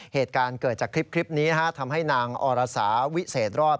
เหตุการณ์เกิดจากคลิปนี้ทำให้นางอรสาวิเศษรอด